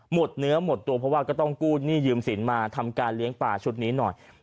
หมดเนื้อหมดตัวเพราะว่าก็ต้องกู้หนี้ยืมสินมาทำการเลี้ยงป่าชุดนี้หน่อย